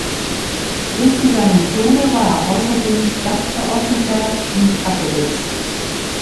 Bis zu seinem Tode war er außerdem Stadtverordneter in Kattowitz.